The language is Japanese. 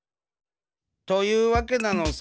というわけなのさ。